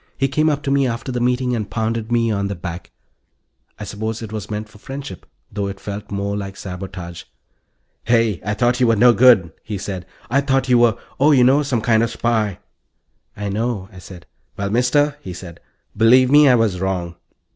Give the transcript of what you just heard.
He came up to me after the meeting and pounded me on the back; I suppose it was meant for friendship, though it felt more like sabotage. "Hey, I thought you were no good," he said. "I thought you were ... oh, you know, some kid of a spy." "I know," I said. "Well, Mister," he said, "believe me, I was wrong."